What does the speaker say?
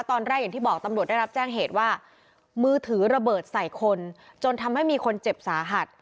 อย่างที่บอกตำรวจได้รับแจ้งเหตุว่ามือถือระเบิดใส่คนจนทำให้มีคนเจ็บสาหัส